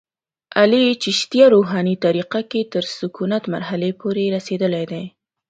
علي چشتیه روحاني طریقه کې تر سکونت مرحلې پورې رسېدلی دی.